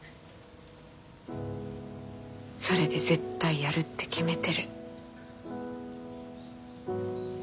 それで絶対やるって決めてる。